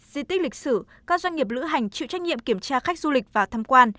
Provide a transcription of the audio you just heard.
di tích lịch sử các doanh nghiệp lữ hành chịu trách nhiệm kiểm tra khách du lịch và thăm quan